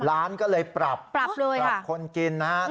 ร้านก็เลยปรับปรับเลยค่ะปรับคนกินนะฮะอืม